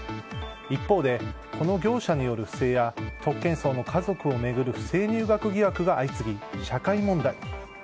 一方でこの業者による不正や特権層の家族を巡る不正入学疑惑が相次ぎ社会問題に。